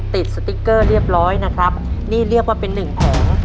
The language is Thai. สติ๊กเกอร์เรียบร้อยนะครับนี่เรียกว่าเป็นหนึ่งของ